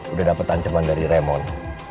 udah dapet tanceman dari raymond